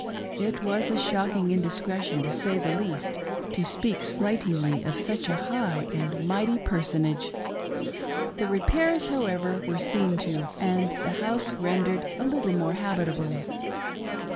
It was a shocking indiscretion, to say the least, to speak slightingly of such a high and mighty personage. The repairs, however, were seen to, and the house rendered a little more habitable.